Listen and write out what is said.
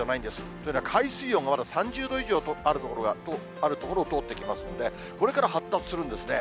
というのは、海水温がまだ３０度以上ある所を通っていきますんで、これから発達するんですね。